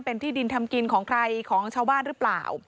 เป็นที่ดินทำกินของใครของชาวบ้านหรือเปล่า